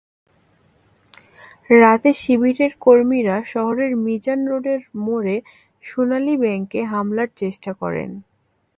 রাতে শিবিরের কর্মীরা শহরের মিজান রোডের মোড়ে সোনালী ব্যাংকে হামলার চেষ্টা করেন।